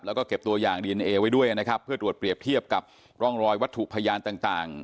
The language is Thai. แล้วก็เก็บตัวอย่างดีเอนเอไว้ด้วยนะครับเพื่อตรวจเปรียบเทียบกับร่องรอยวัตถุพยานต่าง